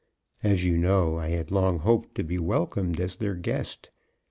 As you know, I had long hoped to be welcomed as their guest.